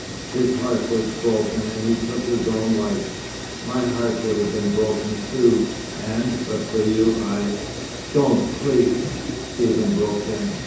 His heart was broken, and he took his own life. My heart would have been broken too, and but for you I " "Don't, please," Stephen broke in.